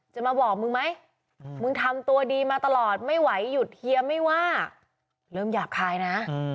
จะมาบอกมึงไหมมึงทำตัวดีมาตลอดไม่ไหวหยุดเฮียไม่ว่าเริ่มหยาบคายนะ